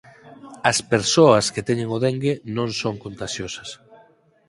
As persoas que teñen o dengue non son contaxiosas.